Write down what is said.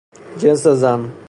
جنس زن